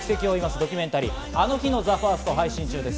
ドキメンタリー『あの日のＴＨＥＦＩＲＳＴ』が配信されます。